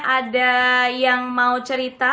ada yang mau cerita